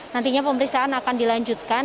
nantinya pemeriksaan akan dilanjutkan